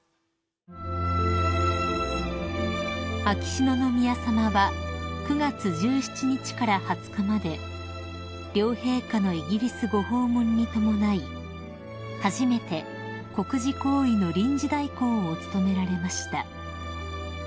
［秋篠宮さまは９月１７日から２０日まで両陛下のイギリスご訪問に伴い初めて国事行為の臨時代行を務められました］